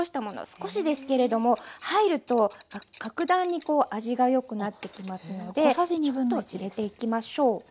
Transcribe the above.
少しですけれども入ると格段にこう味がよくなってきますのでちょっと入れていきましょう。